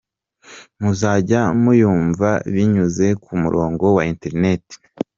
Muzajya muyumva binyuze ku murongo wa internet.